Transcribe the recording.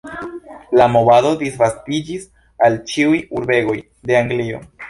La movado disvastiĝis al ĉiuj urbegoj de Anglio.